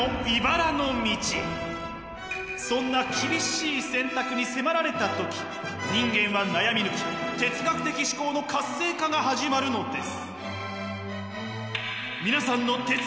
そんな厳しい選択に迫られた時人間は悩み抜き哲学的思考の活性化が始まるのです。